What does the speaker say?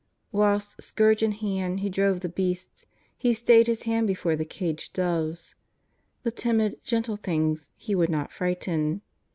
Whilst scourge in hand He drove the beasts, He stayed His hand before the caged doves. The timid, gentle things He would not frighten.